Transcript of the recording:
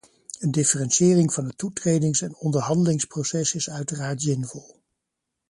Een differentiëring van het toetredings- en onderhandelingsproces is uiteraard zinvol.